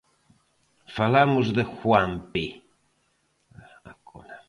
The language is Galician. Falamos de Juampe.